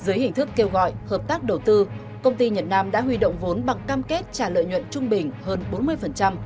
dưới hình thức kêu gọi hợp tác đầu tư công ty nhật nam đã huy động vốn bằng cam kết trả lợi nhuận trung bình hơn bốn mươi